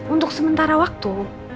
untuk sementara waktu